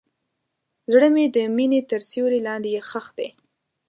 زړه مې د مینې تر سیوري لاندې ښخ دی.